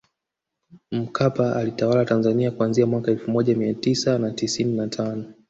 Mkapa aliitawala Tanzania kuanzia mwaka elfu moja mia tisa na tisini na tano